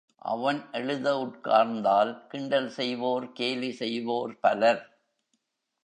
அவன் எழுத உட்கார்ந்தால், கிண்டல் செய்வோர், கேலி செய்வோர் பலர்.